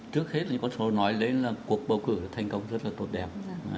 trước hết những con số nói lên là cuộc bầu cử thành công rất là tốt đẹp